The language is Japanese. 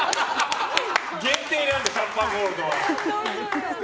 限定なんだシャンパンゴールド。